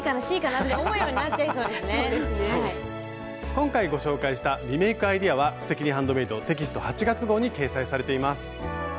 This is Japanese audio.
今回ご紹介したリメイクアイデアは「すてきにハンドメイド」テキスト８月号に掲載されています。